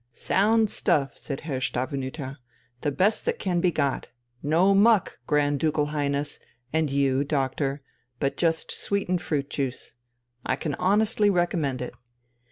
"Sound stuff!" said Herr Stavenüter. "The best that can be got. No muck, Grand Ducal Highness, and you, doctor, but just sweetened fruit juice. I can honestly recommend it!"